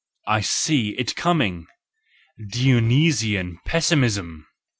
I see it coming!— Dionysian pessimism.)